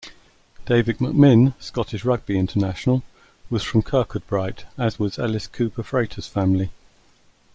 David MacMyn, Scottish rugby international, was from Kirkcudbright as was Ellis Cooper-Frater's family.